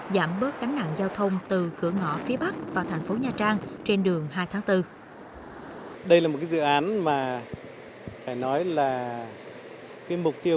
giảm bớt gánh nặng giao thông từ cửa ngõ phía bắc vào thành phố nha trang trên đường hai tháng bốn